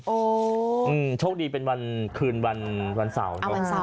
โอ้โหโชคดีเป็นวันคืนวันเสาร์เนอะ